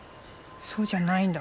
そうじゃないんだ